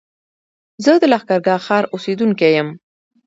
زه د لښکرګاه ښار اوسېدونکی يم